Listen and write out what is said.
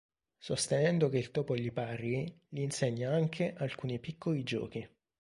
Sostenendo che il topo gli parli, gli insegna anche alcuni piccoli giochi.